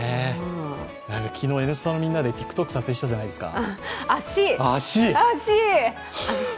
昨日、「Ｎスタ」のみんなでＴｉｋＴｏｋ撮影したじゃないですか。